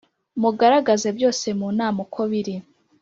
Mugaragaze byose munama uko biri